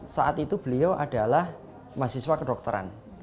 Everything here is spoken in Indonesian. saat itu beliau adalah mahasiswa kedokteran